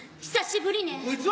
久しぶりね。